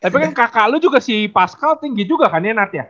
tapi kan kakak lu juga si pascal tinggi juga kan ya nat ya